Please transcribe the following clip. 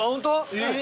えっ？